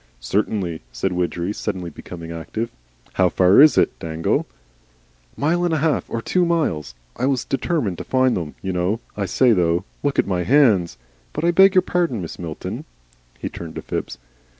"Certainly," said Widgery, suddenly becoming active. "How far is it, Dangle?" "Mile and a half or two miles. I was determined to find them, you know. I say though Look at my hands! But I beg your pardon, Mrs. Milton." He turned to Phipps.